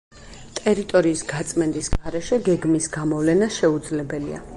ტერიტორიის გაწმენდის გარეშე გეგმის გამოვლენა შეუძლებელია.